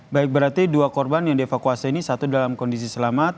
baik berarti dua korban yang dievakuasi ini satu dalam kondisi selamat